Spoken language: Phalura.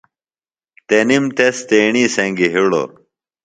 تنِم تس تیݨی سنگیۡ ہِڑوۡ۔